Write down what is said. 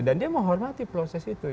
dan dia menghormati proses itu